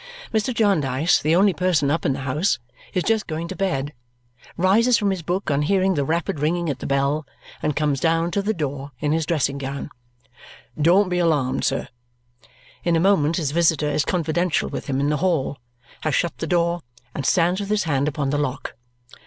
Mr. Jarndyce, the only person up in the house, is just going to bed, rises from his book on hearing the rapid ringing at the bell, and comes down to the door in his dressing gown. "Don't be alarmed, sir." In a moment his visitor is confidential with him in the hall, has shut the door, and stands with his hand upon the lock.